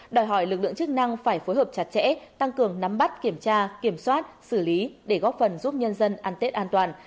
đòi hỏi lực lượng chức năng phải phối hợp chặt chẽ tăng cường nắm bắt kiểm tra kiểm soát xử lý để góp phần giúp nhân dân ăn tết an toàn